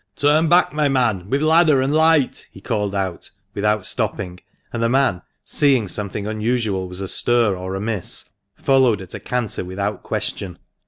"Turn back, my man, with ladder and light," he called out, without stopping ; and the man, seeing something unusual was astir or amiss, followed at a canter without question.